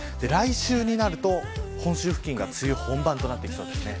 来週になると本州付近が梅雨本番になりそうです。